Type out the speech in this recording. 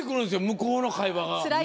向こうの会話が。